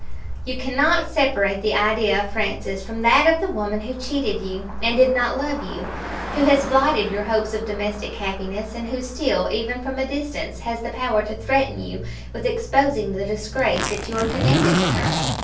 You cannot separate the idea of Francis from that of the woman who cheated you, and did not love you; who has blighted your hopes of domestic happiness; and who still, even from a distance, has the power to threaten you with exposing the disgrace that you are connected with her.